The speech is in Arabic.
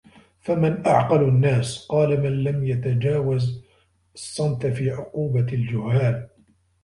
فَمَنْ أَعْقَلُ النَّاسِ ؟ قَالَ مَنْ لَمْ يَتَجَاوَزْ الصَّمْتَ فِي عُقُوبَةِ الْجُهَّالِ